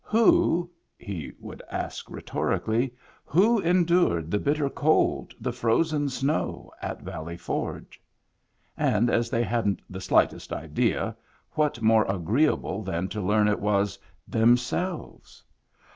" Who " (he would ask rhetorically), "who endured the bitter cold, the frozen snow, at Valley Forge?" And as they hadn't the slightest idea, what more agreeable than to learn it was themselves